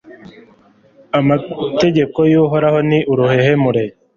amategeko y’Uhoraho ni uruhehemure